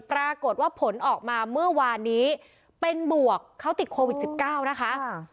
ปรากฏว่าผลออกมาเมื่อวานนี้เป็นบวกเขาติดโควิด๑๙นะคะ